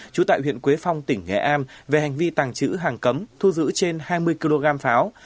trú tại huyện quế phong tỉnh nghệ an về hành vi tàng trữ hàng cấm thu giữ trên hai mươi kg pháo